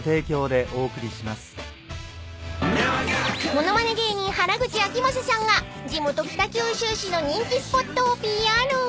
［物まね芸人原口あきまささんが地元北九州市の人気スポットをＰＲ］